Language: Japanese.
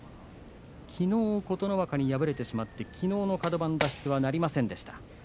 きのう琴ノ若に敗れてしまってきのうのカド番脱出はなりませんでした。